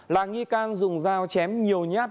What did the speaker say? làng nghi can dùng dao chém nhiều nhát